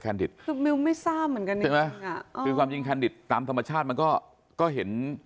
คือไม่ทราบเหมือนกันจริงคือความจริงแคนดิตตามธรรมชาติมันก็เห็น